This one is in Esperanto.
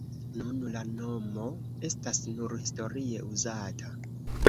Nun la nomo estas nur historie uzata.